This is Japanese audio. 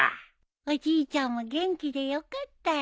おじいちゃんも元気でよかったよ。